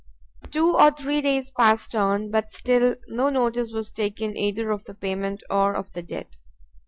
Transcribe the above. Two or three days passed on, but still no notice was taken either of the payment or of the debt.